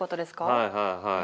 はいはいはい。